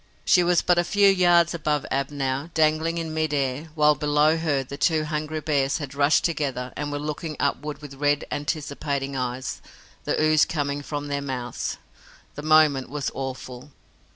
She was but a few yards above Ab now, dangling in mid air, while, below her, the two hungry bears had rushed together and were looking upward with red, anticipating eyes, the ooze coming from their mouths. The moment was awful.